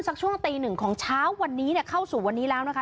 สักช่วงตีหนึ่งของเช้าวันนี้เข้าสู่วันนี้แล้วนะคะ